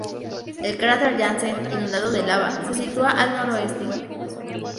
El cráter Jansen, inundado de lava, se sitúa al noreste.